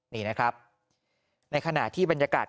นี่นะครับในขณะที่บรรยากาศ